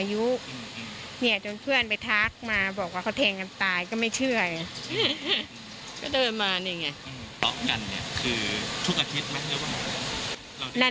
ยั่งกันคือทุกอาทิตย์เมื่อเกิดมา